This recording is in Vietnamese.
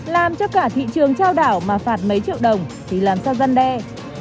làm cho cả thị trường trao đảo mà phạt mấy triệu đồng thì làm sao dân đe